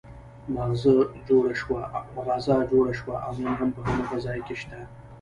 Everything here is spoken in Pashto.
مغازه جوړه شوه او نن هم په هماغه ځای کې شته.